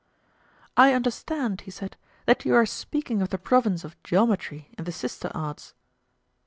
I understand, he said, that you are speaking of the province of geometry and the sister arts.